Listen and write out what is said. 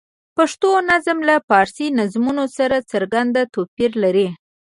پښتو نظم له فارسي نظمونو سره څرګند توپیر لري.